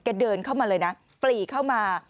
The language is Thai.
เดินเข้ามาเลยนะปลีเข้ามา